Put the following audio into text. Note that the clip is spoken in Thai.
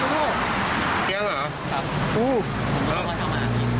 พนันไม่กว้างครับ